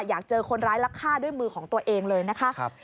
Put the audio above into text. อยากเจอคนร้ายลักฆ่าด้วยมือของตัวเองเลยนะคะ